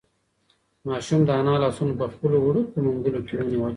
ماشوم د انا لاسونه په خپلو وړوکو منگولو کې ونیول.